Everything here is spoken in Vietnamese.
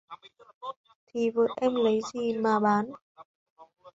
Thì vợ Em lấy gì mà bán